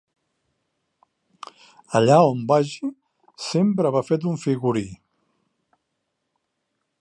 Allà on vagi, sempre va fet un figurí.